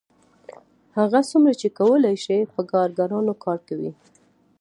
هغه څومره چې کولی شي په کارګرانو کار کوي